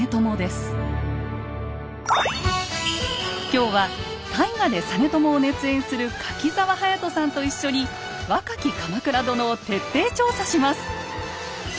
今日は大河で実朝を熱演する柿澤勇人さんと一緒に若き鎌倉殿を徹底調査します！